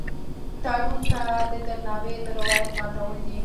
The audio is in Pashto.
تړون ته د درناوي د روایت ماتول دي.